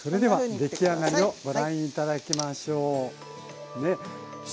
出来上がりをご覧頂きましょう。